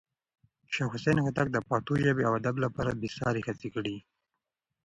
شاه حسين هوتک د پښتو ژبې او ادب لپاره بې ساری هڅې کړې.